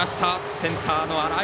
センターの新井。